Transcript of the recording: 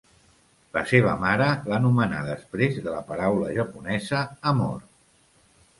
La seva mare l'anomenà després de la paraula japonesa "amor".